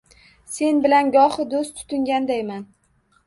Sen bilan gohi do’st tutingandayman.